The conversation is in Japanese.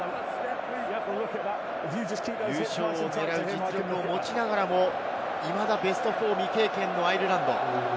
優勝を狙える実力を持ちながらもベスト４未経験のアイルランド。